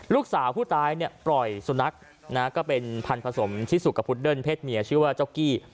ลูกสาวผู้ตายเนี่ยปล่อยสุนัขก็เป็นพันธสมที่สุขกับพุดเดิ้ลเพศเมียชื่อว่าเจ้ากี้